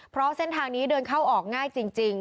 เพราะเส้นทางนี้เดินเข้าออกง่ายจริง